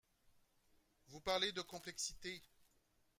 Vous parlez de complexité.